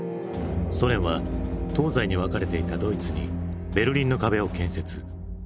ソ連は東西に分かれていたドイツにベルリンの壁を建設。